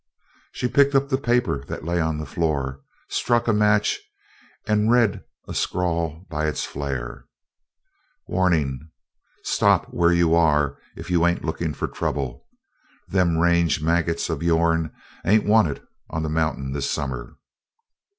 She picked up the paper that lay on the floor, struck a match and read a scrawl by its flare: WARNING Stop where you are if you ain't looking for trouble. Them range maggots of yourn ain't wanted on the mountain this summer.